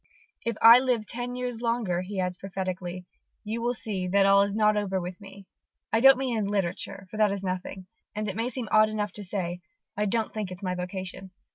If I live ten years longer," he adds prophetically, "you will see that all is not over with me, I don't mean in literature, for that is nothing, and, it may seem odd enough to say, I don't think it's my vocation.